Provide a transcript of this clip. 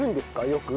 よく。